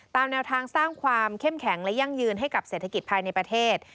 แนวทางสร้างความเข้มแข็งและยั่งยืนให้กับเศรษฐกิจภายในประเทศ